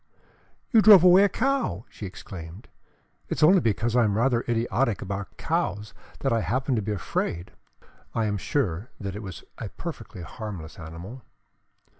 "You drove away a cow!" she exclaimed. "It is only because I am rather idiotic about cows that I happened to be afraid. I am sure that it was a perfectly harmless animal."